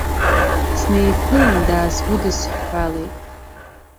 Снеиԥылан, даасгәыдсыҳәҳәалеит.